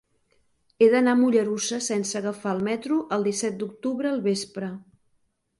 He d'anar a Mollerussa sense agafar el metro el disset d'octubre al vespre.